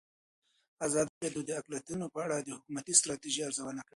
ازادي راډیو د اقلیتونه په اړه د حکومتي ستراتیژۍ ارزونه کړې.